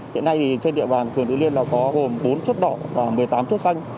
hiện nay trên địa bàn phường tứ liên có gồm bốn chốt đỏ và một mươi tám chốt xanh